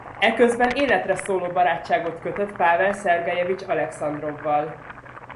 Eközben életre szóló barátságot kötött Pavel Szergejevics Alekszandrovval.